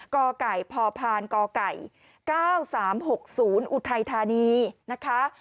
กไก่พพก๙๓๖๐อุทัยธานีนะคะ